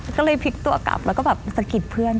ก็เลยพลิกตัวกลับแล้วก็แบบสะกิดเพื่อน